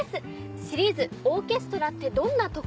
シリーズ「オーケストラってどんなとこ？」